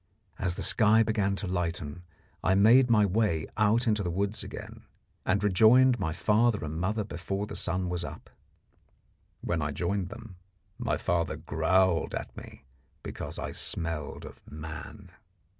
As the sky began to lighten, I made my way out into the woods again, and rejoined my father and mother before the sun was up. When I joined them, my father growled at me because I smelled of man.